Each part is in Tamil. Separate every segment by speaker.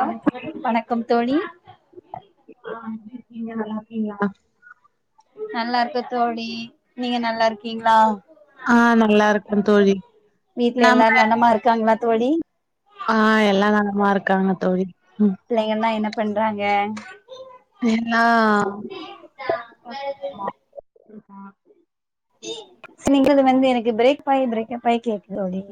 Speaker 1: வணக்கம்
Speaker 2: வணக்கம் தோழி
Speaker 1: ஆ எப்டி இருக்கீங்க நல்லாருக்கீங்ளா
Speaker 2: நல்லாருக்கே தோழி நீங்க நல்லாருக்கீங்ளா
Speaker 1: ஆ நல்லா இருக்கே தோழி
Speaker 2: வீட்ல எல்லாரு
Speaker 1: நம்ம
Speaker 2: நலமாருக்காங்ளா தோழி
Speaker 1: ஆ எல்லா நலமாருக்காங்க தோழி ம்
Speaker 2: பிள்ளைங்கலா என்ன பண்றாங்க
Speaker 1: என்னா
Speaker 2: [inaudible] வந்து எனக்கு பிரேக்காயி பிரேக்கப்பாயி கேக்குதோழி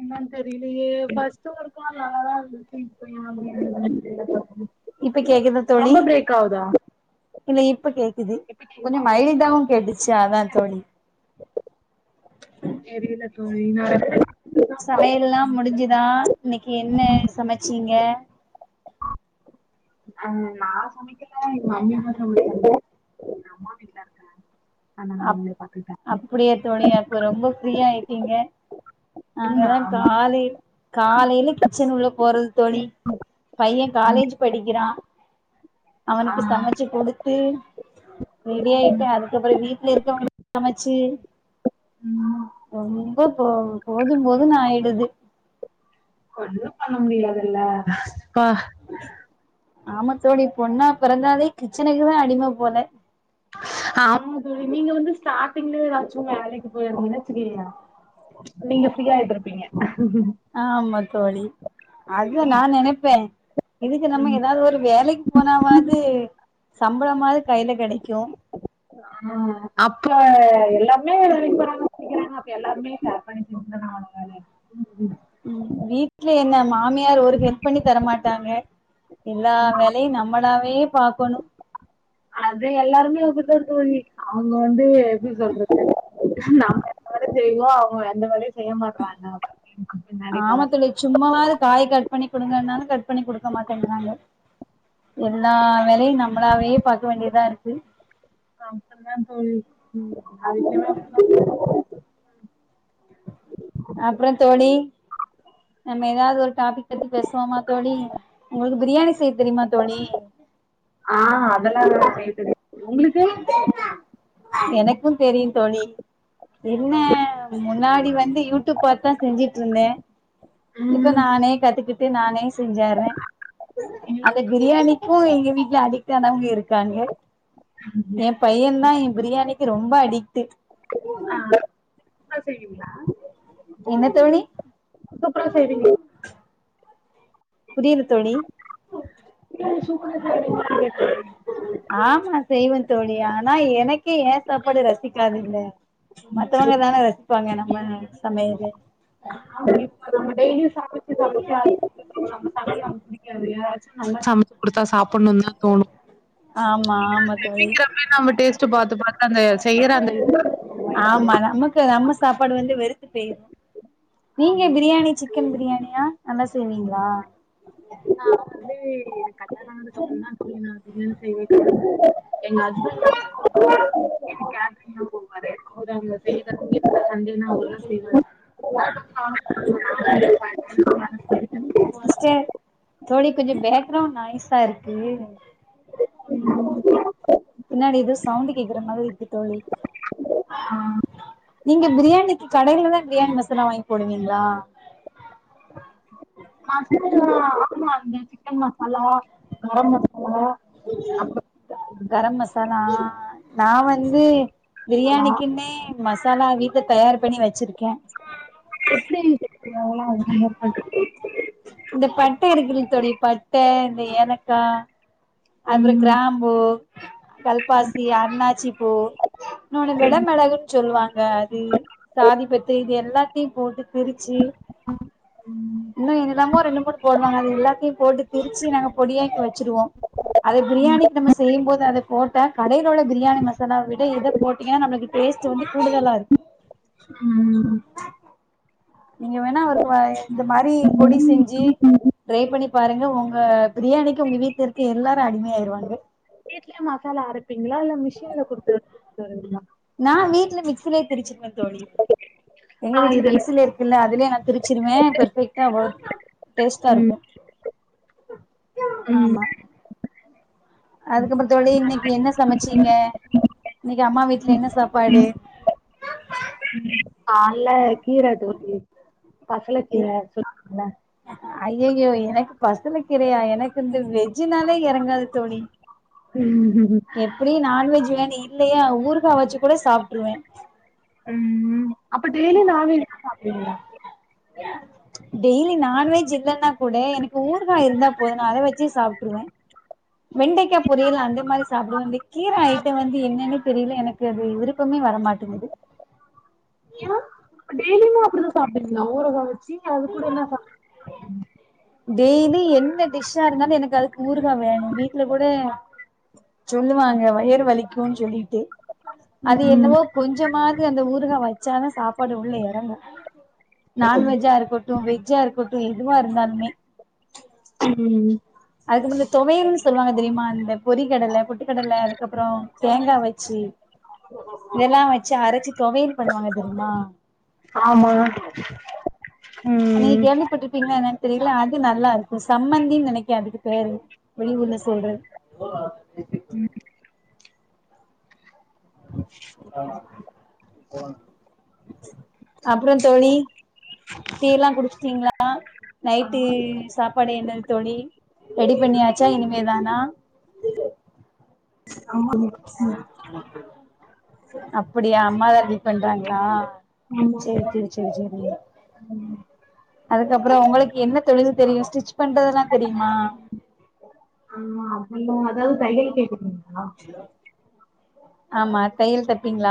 Speaker 1: என்னன் தெரிலயே ஃபஸ்ட்டு ஒரு கால் நல்லாதாருந்துச்சு இப்ப ஏ அப்டி ஆகுதுன் தெரில
Speaker 2: இப்ப கேக்குதா தோழி இல்ல இப்ப கேக்குது
Speaker 1: இப்ப
Speaker 2: கொஞ்சொ
Speaker 1: கேக்குதா
Speaker 2: மைல்டாவு கேட்டுச்சு அதா தோழி
Speaker 1: தெரில தோழி நா [inaudible]
Speaker 2: னா இன்னக்கி என்ன சமச்சீங்க
Speaker 1: அ நா சமைக்கல எங்க மம்மி தா சமச்சாங்க எங்க அம்மா வீட்லருக்கே ஆனால அவுங்ளே பாத்துட்டாங்க
Speaker 2: அப்பிடியா தோழி அப்போ ரொம்ப ஃப்ரீயாய்ட்டீங்க
Speaker 1: ம்
Speaker 2: நாங்கதா
Speaker 1: ஆமா
Speaker 2: கால காலைல கிச்சன் உள்ள போறது தோழி பையே
Speaker 1: ம்
Speaker 2: காலேஜு படிக்கிறா
Speaker 1: ஆ
Speaker 2: அவனுக்கு சமச்சு குடுத்து ரெடி ஆய்ட்டு
Speaker 1: ம்
Speaker 2: அதுக்கப்றோ வீ ட்லருக்கோங்களுக்கு சமச்சு
Speaker 1: ம்
Speaker 2: ரொம்ப போ போது போதுன்னாய்டுது
Speaker 1: ஒன்னு பண்ண முடியாதுல
Speaker 2: ஆமா தோழி பொண்ணா பெறந்தாவே கிச்சனுக்குதா அடிம போல
Speaker 1: ஆமா தோழி நீங்க வந்து ஸ்டார்டிங்ல எதாச்சு வேலைக்கு போய்ருந்தீங்கன்னா தெரில நீங்க ஃப்ரீயாய்ட்ருப்பீங்க
Speaker 2: ஆமா தோழி அத நா நெனைப்பே இதுக்கு நம்ம ஏதாவது ஒரு வேலைக் போனாவாது சம்பளமாது கைல கெடைக்கு
Speaker 1: ஆ அப்ப எல்லாமே வேலைக் போறங்க சொல்லிக்கிறாங்க எல்லாருமே [unintelligible] பண்ணி திருந்தானே ஆவ்னு எல்லாருமே
Speaker 2: ம் வீட்ல என்ன மாமி மியார் ஒரு ஹெல்ப் பண்ணி தர மாட்டாங்க எல்லா வேலையு நம்மளாவே பாக்கணு
Speaker 1: அத எல்லாருமே அப்டி தா இர்காங்கி அவுங்க வந்து எப்டி சொல்றது நம்ம எல்லா வேலயு செய்வோ அவுங்க எந்த வேலயு செய்ய மாட்றாங்க இ மட்டுங்க
Speaker 2: ஆமா தோழி சும்மாவாது காய் கட் பண்ணி குடுங்கனாலு கட் பண்ணி குடுக்க மாட்டேங்கறாங்க எல்லா வேலையு நம்மளாவே பாக்க வேண்டியதா இருக்கு
Speaker 1: கஷ்டந்தா தோழி அவிங்கல்ல அப்டிதா தோழி
Speaker 2: அப்புற தோழி நம்ம ஏதாவது ஒரு டாபிக் பத்தி பேசுவோமா தோழி உங்ளுக்கு பிரியாணி செய் தெரிய்மா தோழி
Speaker 1: ஆ அதெல்லா நா செய்வ தோழி உங்ளுக்கு
Speaker 2: எனக்கு தெரியு தோழி என்ன முன்னாடி வந்து யூடியூப் பாத்தா செஞ்சிட்ருந்தே இப்ப
Speaker 1: ம்
Speaker 2: நானே கத்துக்கிட் டு நானே செஞ்சறே அந்த பிரியாணி இப்போ எங்க வீட்ல அடிக்டானவுங்க இருக்காங்க எ பையந்தா எ பிரியாணிக்கு ரொம்ப அடிக்டு
Speaker 1: ஆ சூப்ரா செய்வீங்ளா
Speaker 2: என்ன தோழி
Speaker 1: செய்வீங்களா
Speaker 2: புரியுது தோழி
Speaker 1: பிரியாணி சூப்பரா செய்வீங்ளான் கேட்ட
Speaker 2: ஆமா செய்வே தோழி ஆனா எனக்கே ஏ சாப்பாடு ரசி பிடிக்காதில்ல மத்தவங்க தான ரசிப்பாங்க நம்ம சமையலு
Speaker 1: ஆ இப்ப நம்ம டெய்லி சமைச்சு [unintelligible] நம்ம சமச்ச நமக்கு புடிக்காது யாராச்சு நல்லா சமைச்சு குடுத்தா சாப்புன்னுன்தா தோணு
Speaker 2: ஆமா ஆமா தோழி
Speaker 1: செக்கிறப்பமே நம்ம டேஸ்ட் பாத்து பாத்து அந்த செய்ற அந்த
Speaker 2: ஆமா நமக்கு நம்ம சாப்பாடு வந்து வெறுத்து பேய்ரு நீங்க
Speaker 1: ஆமா
Speaker 2: பிரியாணி சிக் க்கன் பிரியாணியா நல்லா செய்வீங்ளா
Speaker 1: நானு வந்து கட்ட காதுக்கு அப்புறோ தா சொல்ல அது இன்னு செய்வே எங்க ஹஸ்பண்டு கேப் போவாரு அவுரு அங்க [unintelligible] சண்டேனா அவுருதா செய்வாரு [inaudible]
Speaker 2: மோஸ்டே தோழி கொஞ்சோ பேக்கிரவுன் நாய்ஸா இருக்கு பின்னாடி ஏதோ சவுண்டு கேக்குற மாதிரி இருக்கு தோழி நீங்க பிரியாணிக் கடையில தா பிரியாணி மசாலா வாங்கி போடுவீங்ளா
Speaker 1: மசாலா ஆமா சிக்கன் மசாலா கர மசா
Speaker 2: கரம் மசாலா அ நா வந்து
Speaker 1: அப்பளா
Speaker 2: பிரியாணிக்குமே மசாலா வீட்ல தயார் பண்ணி வெச்சிர்க்கே
Speaker 1: எப்டி இந்த பிரியாணிக்ல மேக் பண்றீங்க
Speaker 2: இந்த பட்ட இருக்குல தோழி பட்ட இந்த ஏலக்கா அதுப்புறோ
Speaker 1: ம்
Speaker 2: கிராம்பு கல்பாசி அண்ணாச்சி பூ இன்னொனு வெட மெளகுன் சொல்வாங்க அது சாதிபத்து இது எல்லாத்தியு போட்டு பிரிச்சி இன்னு என்னல்லாமோ ரெண்டு மூனு போடுவாங்க அது எல்லாத்தையு போட்டு திரிச்சு நாங்க பொடியாக்கி வச்சுடுவோ அத பிரியாணிக்கு நம்ம செய்யும்போது அத போட்ட கடையில உள்ள பிரியாணி மசாலா விட இத போட்டிங்கன்னா நமளுக்கு டேஸ்ட் வந்து கூடுதலா இருக்
Speaker 1: ம்
Speaker 2: நீங்க வேணா அவருக்கு இந்த மாரி பொடி செஞ்சு ட்ரை பண்ணிப் பாருங்க உங்க பிரியாணிக்கு உங்க வீட்ல இருக்க எல்லாரு அடிமயாயிருவாங்க
Speaker 1: [unintelligible] மசாலா அரப்பீங்ளா இல்ல மிஷின்ல குடுத்து [unintelligible]
Speaker 2: நா வீட்ல மிக்சில திருச்சிப்பே தோழி எங்க
Speaker 1: ஆ
Speaker 2: வீட்ல
Speaker 1: இதுல
Speaker 2: மிக்சிலே இரு இல்ல அதிலே நா திருச்சிருவே பெர் ஃபெர்க்ட்டா வரு டேஸ்ட்டா
Speaker 1: ம்
Speaker 2: இருக்கு
Speaker 1: ம்
Speaker 2: ஆமா அதுக்கப்பற தோழி இன்னைக்கி என்ன சமச்சீங்க இன்னைக்கி அம்மா வீட்ல என்ன சாப்பாடு
Speaker 1: கால்ல கீர தோழி பசல கீர சொன்னேல
Speaker 2: அய்யய்யோ எனக்கு பசல கீரையா எனக்கிந்த வெஜ் ஜூனாலே இறங்காது தோழி
Speaker 1: ம்
Speaker 2: எப் எப்டியு நான்வெஜ் வேணு இல்லையா ஊர்கா வச்சு கூட சாப்ட்டுருவே
Speaker 1: ம் அப்ப டேய்லி நான் வேஜ்தா சாப்டுவிங்களா
Speaker 2: டெய்லி நான்வெஜ் இல்லன்னா கூட எனக்கு ஊர்கா இருந்தா போது நா அத வச்சே சாப்ட்டுருவே வெண்டிக்கா பொரியல் அந்த மாரி சாப்டுவ இந்த கீர ஐட்டோ வந்து என்னன்னு தெரியல எனக்கு அது விருப் விருப்பமே வர மாட்டேங்குது
Speaker 1: ஏன் டெய்லியுமா அப்டிதா சாப்டுவீங்ளா ஊருகா வச்சு அது கூட என்ன சாப்
Speaker 2: டெய்லி என்ன டிஷ்ஷா இருந்தாலு எனக்கு அதுக்கு ஊறுகா வேணு வீட்ல கூட சொல்லுவாங்க வயரு வலிக்குன் சொல்லிட்டு அது
Speaker 1: ம்
Speaker 2: என்னவோ கொஞ்சமாது அந்த ஊருகா வச்சாதா சாப்பாடு உள்ள இறங்கு நான்வெஜ்ஜா இருக்கட்டு வெஜ்ஜா இருக்கட்டு எதுவா இருந்தாலுமே
Speaker 1: ம்
Speaker 2: அதுக்கிப்ப இந்த தொவையல் சொ சொல்லுவாங்க தெரியுமா இந்த பொறி கடல பொட்டு கடல அதுக்கப்பற தேங்கா வச்சு இதெல்லா வச்சு அரச்சு தொவையல் பண்ணுவாங்க தெரியுமா
Speaker 1: ஆமா
Speaker 2: நீ
Speaker 1: ம்
Speaker 2: கேளு பட்ருப்பீங்களா என்னானு தெரியல அது நல்லா இருக்கு சம்மந்தின்னு நெனைக்கே அதுக்கு பேரு வெளி ஊர்ல சொல்றது
Speaker 1: ம்
Speaker 2: ஆ ம் அப்பற தோழி டீ எல்லா குடிச்ட்டீங்களா நைட்டு சாப்பாடு என்னது தோழி ரெடி பண்ணியாச்சா இனிமேதானா
Speaker 1: ஆமா
Speaker 2: அப்டியா அம்மாதா இப்டி பண்றாங்ளா
Speaker 1: ஆமா,
Speaker 2: சேரி
Speaker 1: ஆமா.
Speaker 2: சேரி சேரி சேரி அதுக்கப்பற உங்களுக்கு என்ன தொழில் தெரியு ஸ்டிச் பண்றதுல்லா தெரியுமா
Speaker 1: அப்டின்னா அதாவது தையல் கேக்குறீங்களா
Speaker 2: ஆமா தையல் தப்பீங்ளா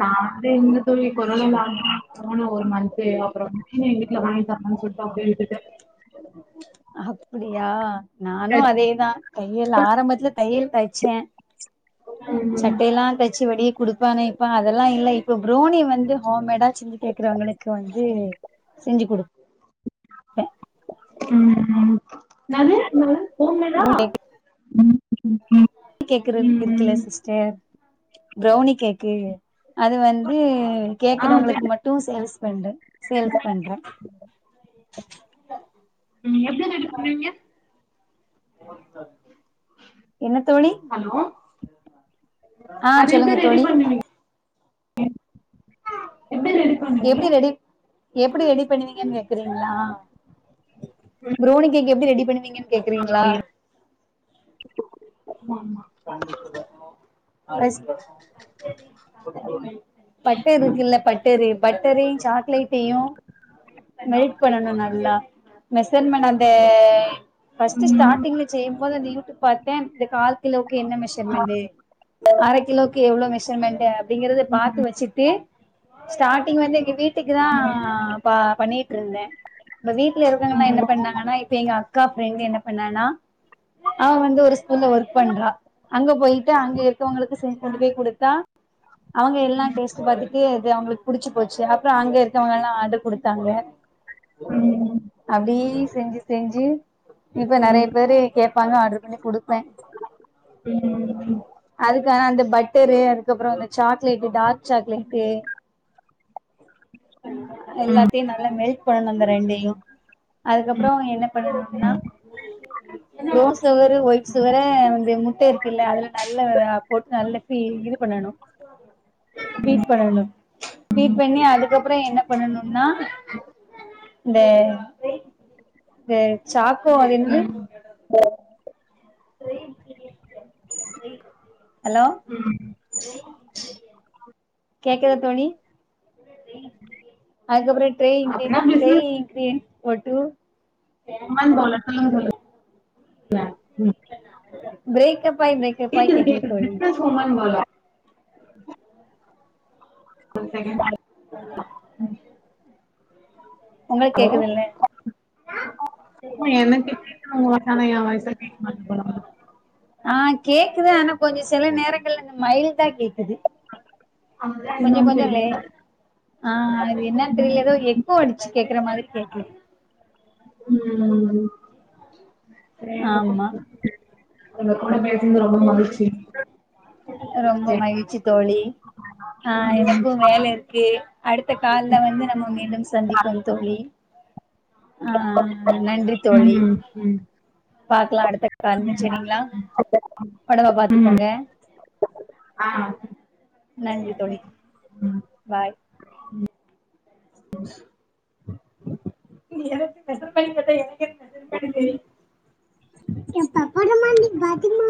Speaker 1: நா வந்து இந்த தொழில் பண்ணணு நா [unintelligible] போன ஒரு மந்த்து அப்புறம் மிஷினு எங்க வீட்ல வாங்கி தரலனு சொல்லிட்டு அப்டே விட்டுட்டேன்
Speaker 2: அப்புடியா நானு அதேதா தையல் ஆரம்பத்துல தையல் தச்சேன் சட்டையெல்லாம் தச்சு வடி குடுப்பானே இப்ப அதெல்லாம் இல்ல இப்ப ப்ரோனி வந்து ஹோம்மேடா செஞ்சு கேக்குறவங்களுக்கு வந்து செஞ்சு குடுக்
Speaker 1: என்னாது ஹோம் மேடா
Speaker 2: கேக்கு இருக்குல்ல சிஸ்டர் ப்ரௌனி கேக்கு அது வந்து
Speaker 1: ஆ
Speaker 2: கேக்றவங்களுக்கு
Speaker 1: சரி.
Speaker 2: மட்டு சேல்ஸ் பண்றேன் சேல்ஸ் பண்றேன்
Speaker 1: ம் எப்படி ரெடி பண்றீங்க
Speaker 2: என்னத்தோழி
Speaker 1: ஹலோ
Speaker 2: ஆன்
Speaker 1: அது எப்படி
Speaker 2: சொல்லுங்க
Speaker 1: ரெடி
Speaker 2: தோழி
Speaker 1: பண்ணுவீங்க? எப்டி ரெடி பண்ணு
Speaker 2: எப்டி ரெடி எப்டி ரெடி பண்ணுவீங்கன்னு கேக்குறீங்களா ப்ரௌனி கேக் எப்டி ரெடி பன்னுவீங்கன் கேக்குறீங்களா
Speaker 1: ஆமா ஆமா
Speaker 2: ஃபஸ் பட்டர் இருக்குல்ல பட்டரு பட்டரையும் சாக்லேட்டையும் மெல்ட் பண்ணணும் நல்லா மெசர்மன்ட் அந்த பஸ்ட்
Speaker 1: ம்.
Speaker 2: ஸ்டார்டிங்ல செய்யும்போது அந்த இனிப்பு பாத்தேன் கிலோக்கு என்ன மெஷர்மெண்ட் அர கிலோக்கு எவ்ளோ மெஷ மெண்ட்டு அப்படிங்கறத பாத்து வச்சுட்டு ஸ்டாட்டிங் வந்து வீட்டுக்கு தா பா பண்ணிட்டு இருந்தேன் இப்ப வீட்ல இருக்கங்கன்னா என்ன பண்ணா இப்ப எங்க அக்கா ப்ரெண்டு என்னா பண்ணானா அவ வந்து ஒரு ஸ்கூல்ல ஒர்க் பண்றா அங்க போயிட்டு அங்க இருக்கிறவங்ளுக்கு செஞ்சு கொண்டு போய் குடுத்தா அவங்க எல்லாம் டேஸ்டு பாத்துட்டு இது அவங்களுக்கு புடிச்சு போச்சு அப்புறம் அங்க கவங்க எல்லாம் ஆர்டர் குடுத்தாங்க
Speaker 1: ம்.
Speaker 2: அப்டியே செஞ்சு செஞ்சு இப்ப நெறைய
Speaker 1: ம்.
Speaker 2: பேரு கேப்பாங்க ஆர்டர் பண்ணி குடுப்பேன்
Speaker 1: ம்
Speaker 2: அதுக்கான அந்த பட்டரு அதுக்கப்புறம் அந்த சாக்லேட்டு டார்க் சாக்லேட்டு எல்லாத்தையும் நல்லா மெல்ட் பண்ணணும் இந்த ரெண்டையும் அதுக்கப்புறம் என்ன பண்ணனும்னா ரோஸ் சுகரு ஓய்ட் சுகரு இது முட்ட இருக்குல்ல அதுல நல்லா போட்டு நல்லா இது பண்ணணு பீட் பண்ணணு பீட் பண்ணி அதுக்கப்றோ என்னப் பண்ணுன்னா இந்த த சாக்கோ அது [unintelligible]
Speaker 1: ம்.
Speaker 2: ஹலோ கேக்குதா தோழி அதுக்கப்றோ ட்ரை இங்கி
Speaker 1: அப்படின்னா
Speaker 2: ட்ரை
Speaker 1: பிசினஸ்
Speaker 2: இங்கிரியன்ட் போட்டு
Speaker 1: [unintelligible] சொல்லுங் சொல்லுங்க ம்
Speaker 2: ப்ரேக்கப் ஆய் ப்ரேக்கப் ஆய் கேக்குது தோழி
Speaker 1: [unintelligible] மன் போல ஒரு சேகன்ட்ல
Speaker 2: ஆ ப்ப
Speaker 1: ஹலோ
Speaker 2: கேக்குதுல்ல
Speaker 1: ஆமா எனக்கு கேக்குது உங்க வாய்ஸு ஆனா எ வாய்ஸ்தா கேக்க மாட்து போல உங்ளுக்
Speaker 2: ஆ கேக்குது ஆனா கொஞ்சோ சில நேரங்கள்ல இந்த மைல்டா கேக்குது
Speaker 1: அதுதான்
Speaker 2: கொஞ்சோ
Speaker 1: என்னன்னு
Speaker 2: கொஞ்சோ லே
Speaker 1: தெரியல
Speaker 2: ஆ அது என்னன் தெரில எதோ எக் கோ அடிச்சு கேக்ற மாதிரி கேக்குது
Speaker 1: ம் சேரி கொஞ்
Speaker 2: ஆமா
Speaker 1: கொஞ் கேக் உங்க கூட பேஸ் னது ரொம்ப மகிழ்ச்சி
Speaker 2: ரொம்ப
Speaker 1: சரி
Speaker 2: மகிழ்ச்சி தோழி ஆ
Speaker 1: ம்
Speaker 2: எனக்கு வேல இர்க்கு அடுத்த கால்ல வந்து நம்ம மீண்டும் சந்திப்போம் தோழி ஆ நன்றி தோழி
Speaker 1: ம் ம்
Speaker 2: பாக்லா அடுத்த கால்ல செரிங்ளா
Speaker 1: [inaudible]
Speaker 2: ஒடம்ப
Speaker 1: ம்
Speaker 2: பாத்துக்கோங்க
Speaker 1: ஆ
Speaker 2: நன்றி தோழி பாய் நீ என்கிட்ட மெசர்மென்ட் கேட்டா எனக்கு என்ன மெசர்மென்ட்டு தெரியு எ பப்பரமா நீ பத்திமா